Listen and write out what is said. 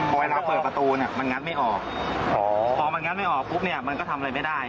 พอเวลาเปิดประตูเนี่ยมันงัดไม่ออกพอมันงัดไม่ออกปุ๊บเนี่ยมันก็ทำอะไรไม่ได้